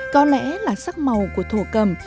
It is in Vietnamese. có lẽ là sắc màu của thổ cầm